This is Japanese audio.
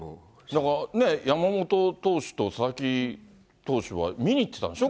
なんかね、山本投手と佐々木投手は見に行ってたんでしょ？